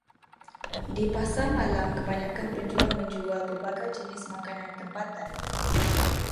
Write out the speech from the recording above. Di pasar malam kebanyakan penjual menjual pelbagai jenis makanan tempatan.